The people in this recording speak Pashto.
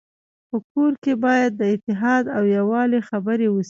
په کور کي باید د اتحاد او يووالي خبري وسي.